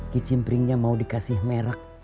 kicim pringnya mau dikasih merk